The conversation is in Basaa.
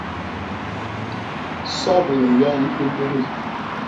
Soble yoñ i mbugi.